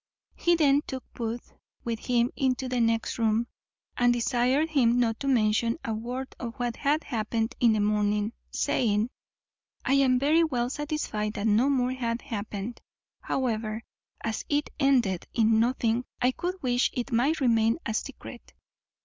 He then took Booth with him into the next room, and desired him not to mention a word of what had happened in the morning; saying, "I am very well satisfied that no more hath happened; however, as it ended in nothing, I could wish it might remain a secret."